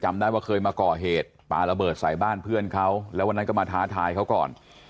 ได้ว่าเคยมาก่อเหตุปลาระเบิดใส่บ้านเพื่อนเขาแล้ววันนั้นก็มาท้าทายเขาก่อน